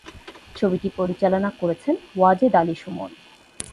ছবিটি পরিচালনা করেছেন ওয়াজেদ আলী সুমন।